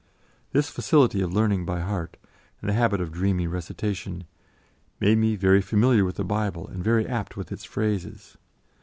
This facility of learning by heart, and the habit of dreamy recitation, made me very familiar with the Bible and very apt with its phrases.